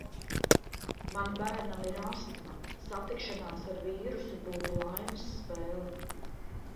Man bērnam ir astma. Satikšanās ar vīrusu būtu laimes spēle.